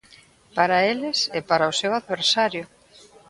Para eles e para o seu adversario.